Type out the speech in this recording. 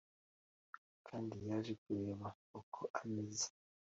kandi yaje kureba uko ameze